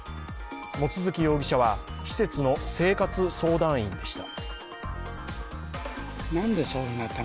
望月容疑者は施設の生活相談員でした。